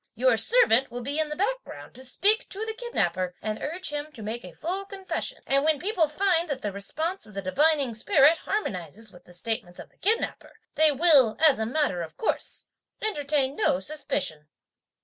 Your servant will be in the background to speak to the kidnapper and urge him to make a full confession; and when people find that the response of the divining spirit harmonizes with the statements of the kidnapper, they will, as a matter of course, entertain no suspicion.